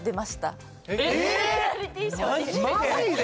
マジで！？